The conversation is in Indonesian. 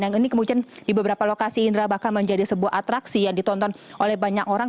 yang ini kemudian di beberapa lokasi indra bahkan menjadi sebuah atraksi yang ditonton oleh banyak orang